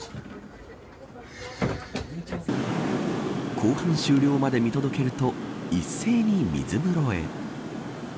後半終了まで見届けると一斉に水風呂へ。